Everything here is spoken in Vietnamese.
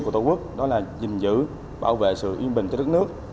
nhiệm vụ của tổ quốc đó là giữ bảo vệ sự yên bình cho đất nước